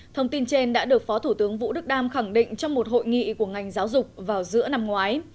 thông tin trên đã được phó thủ tướng vũ đức đam khẳng định trong một hội nghị của ngành giáo dục vào giữa năm ngoái